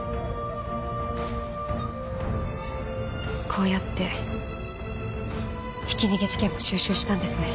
こうやってひき逃げ事件も収拾したんですね。